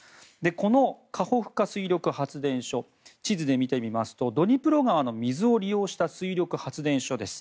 このカホフカ水力発電所地図で見てみますとドニプロ川の水を利用した水力発電所です。